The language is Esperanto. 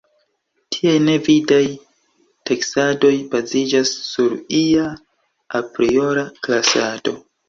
Tiaj ne vidaj taksadoj baziĝas sur ia apriora klasado.